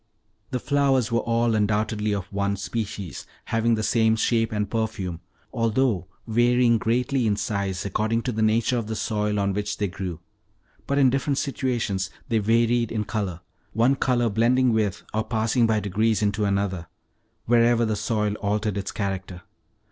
The flowers were all undoubtedly of one species, having the same shape and perfume, although varying greatly in size, according to the nature of the soil on which they grew. But in different situations they varied in color, one color blending with, or passing by degrees into another, wherever the soil altered its character.